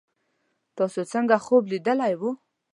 تاسو څنګه خوب لیدلی وو